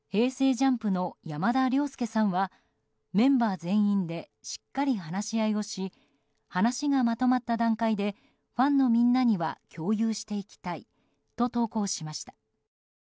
ＪＵＭＰの山田涼介さんはメンバー全員でしっかり話し合いをし話がまとまった段階でファンのみんなには共有していきたいと投稿しました。